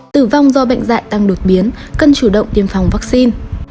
tử vong do bệnh dạy tăng đột biến cần chủ động tiêm phòng vaccine